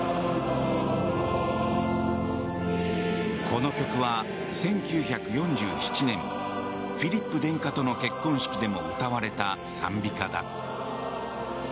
この曲は１９４７年フィリップ殿下との結婚式でも歌われた賛美歌だ。